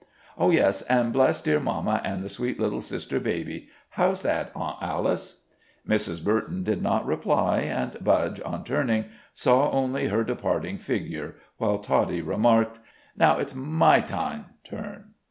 Oh, yes, an' bless dear mamma an' the sweet little sister baby. How's that, Aunt Alice?" Mrs. Burton did not reply, and Budge, on turning, saw only her departing figure, while Toddie remarked: "Now, it's my tyne (turn.)